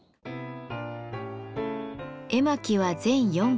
絵巻は全４巻。